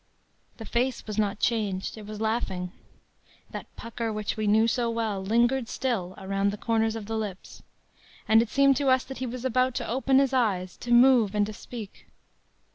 “The face was not changed. It was laughing. That pucker which we knew so well lingered still around the corners of the lips, and it seemed to us that he was about to open his eyes, to move and to speak.